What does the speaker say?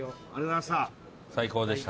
最高でした。